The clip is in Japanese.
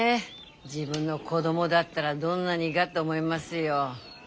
自分の子供だったらどんなにがって思いますよ。